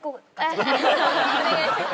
お願いします。